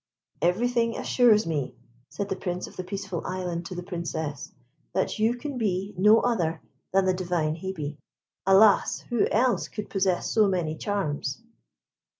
"Everything assures me," said the Prince of the Peaceful Island to the Princess, "that you can be no other than the divine Hebe. Alas! who else could possess so many charms?"